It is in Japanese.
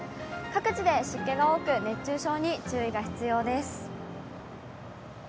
各地で湿気が多く、熱中症に注意が必要です。